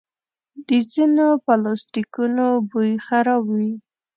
د ځینو پلاسټیکونو بوی خراب وي.